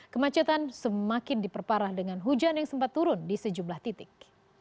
kemacetan semakin diperparah dengan hujan yang sempat turun di sejumlah titik